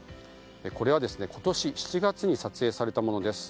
これは今年７月に撮影されたものです。